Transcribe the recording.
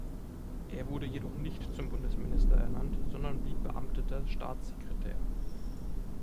Er wurde jedoch nicht zum Bundesminister ernannt, sondern blieb beamteter Staatssekretär.